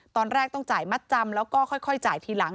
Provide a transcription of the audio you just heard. ตอนแรกต้องจ่ายมัดจำแล้วก็ค่อยจ่ายทีหลัง